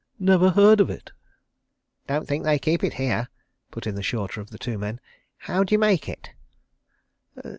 "Never heard of it." "Don't think they keep it here," put in the shorter of the two men. "How d'you make it?"